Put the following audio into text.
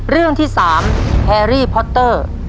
เรื่องที่๓แฮรี่พอตเตอร์